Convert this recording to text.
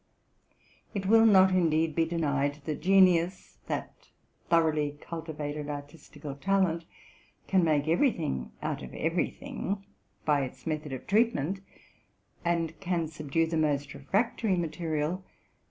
It will not, indeed, be denied that genius, that thoroughly cultivated artistical talent, can make every thing out of every thing by its method of treatment, and can subdue the most refractory material.